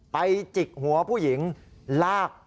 จิกหัวผู้หญิงลาก